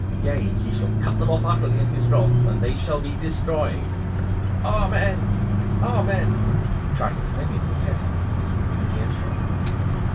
Yea, He shall cut them off utterly in His wrath, and they shall be destroyed.' 'Amen! Amen!' cried as many of the peasants as were within earshot.